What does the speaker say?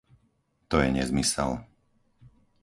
To je nezmysel.